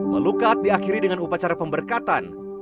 melukat diakhiri dengan upacara pemberkatan